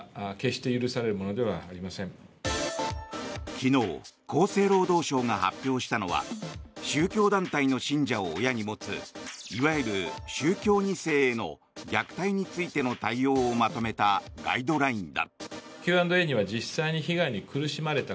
昨日、厚生労働省が発表したのは宗教団体の信者を親に持ついわゆる宗教２世への虐待についての対応をまとめたガイドラインだ。